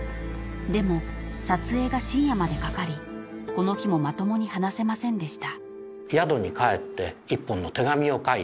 ［でも撮影が深夜までかかりこの日もまともに話せませんでした］